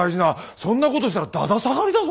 そんなことしたらだだ下がりだぞ？